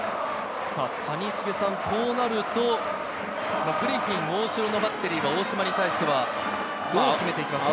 谷繁さん、こうなると、グリフィン、大城のバッテリーは大島に対してはどう決めて来ますか？